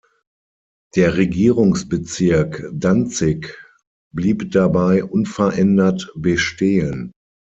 Der Regierungsbezirk Danzig blieb dabei unverändert bestehen.